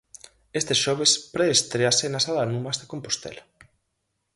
Este xoves pre estréase na Sala Numax de Compostela.